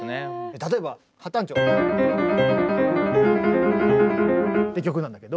例えばハ短調。って曲なんだけど。